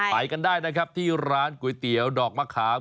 ไปกันได้นะครับที่ร้านก๋วยเตี๋ยวดอกมะขาม